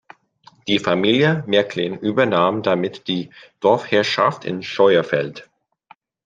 Die Familie Merklin übernahm damit die Dorfherrschaft in Scheuerfeld.